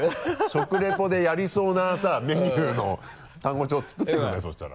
食リポでやりそうなさメニューの単語帳作ってくれそしたら。